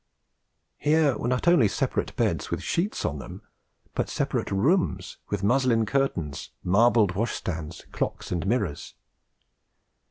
Here were not only separate beds, with sheets on them, but separate rooms with muslin curtains, marbled wash stands, clocks and mirrors.